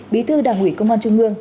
bí thư đảng ủy công an trung ương